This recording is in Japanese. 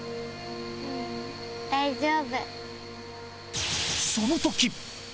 ううん大丈夫。